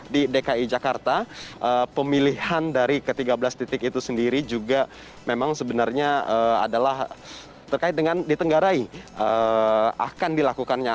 di dki jakarta pemilihan dari ke tiga belas titik itu sendiri juga memang sebenarnya adalah terkait dengan ditenggarai akan dilakukannya